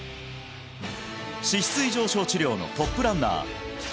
脂質異常症治療のトップランナー